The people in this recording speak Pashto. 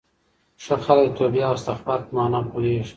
ښه خلک د توبې او استغفار په مانا پوهېږي.